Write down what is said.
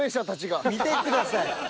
見てください。